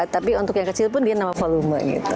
tapi untuk yang kecil pun dia nama volume